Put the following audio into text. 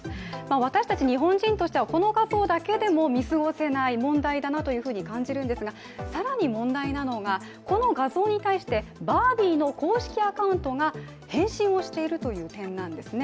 私たち日本人としては、この画像だけでも見過ごせない、問題だなと感じるんですが、更に問題なのが、この画像に対して「バービー」の公式アカウントが返信をしているという点なんですね。